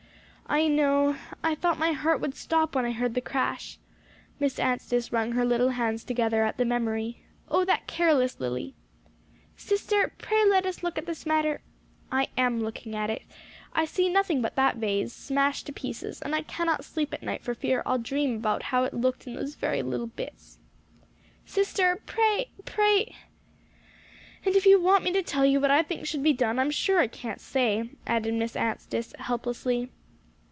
"I know; I thought my heart would stop when I heard the crash." Miss Anstice wrung her little hands together at the memory. "Oh, that careless Lily!" "Sister, pray let us look at this matter " "I am looking at it. I see nothing but that vase, smashed to pieces; and I cannot sleep at night for fear I'll dream how it looked in those very little bits." "Sister pray pray " "And if you want me to tell you what I think should be done, I'm sure I can't say," added Miss Anstice helplessly.